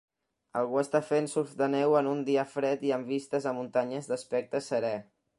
Algú està fent surf de neu en un dia fred i amb vistes a muntanyes d'aspecte serè.